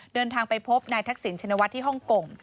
เดินทางไปพบนายทักษิณชินวัฒน์ที่ฮ่องกง